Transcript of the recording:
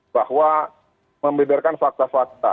bahwa membedarkan fakta fakta